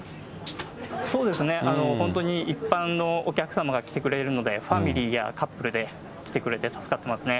そうですね、本当に一般のお客様が来てくれるので、ファミリーやカップルで来てくれて助かってますね。